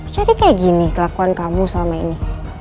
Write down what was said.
jadi kayak gini kelakuan kamu selama ini